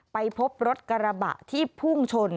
ไปพบรถกระบะที่พุ่งชน